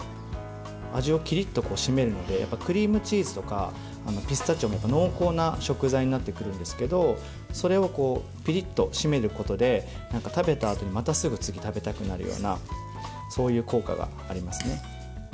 味をキリッと締めるのでクリームチーズとかピスタチオは濃厚な食材になってくるんですがそれをピリッと締めることで食べたあとまたすぐ次食べたくなるようなそういう効果がありますね。